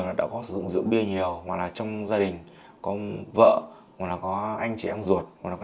nào đã có sử dụng rượu bia nhiều hoặc là trong gia đình có vợ hoặc là có anh chị em ruột hoặc là